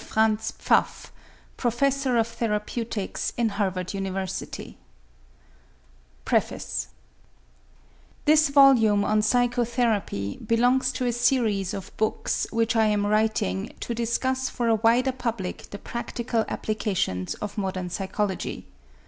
FRANZ PFAFF PROFESSOR OF THERAPEUTICS IN HARVARD UNIVERSITY PREFACE This volume on psychotherapy belongs to a series of books which I am writing to discuss for a wider public the practical applications of modern psychology.